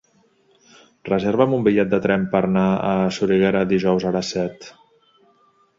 Reserva'm un bitllet de tren per anar a Soriguera dijous a les set.